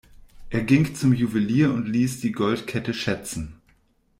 Er ging zum Juwelier und ließ die Goldkette schätzen.